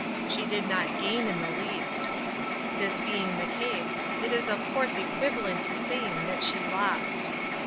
She did not gain in the least. This being the case, it is of course equivalent to saying that she lost.